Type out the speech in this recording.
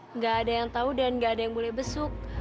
nggak ada yang tahu dan nggak ada yang boleh besuk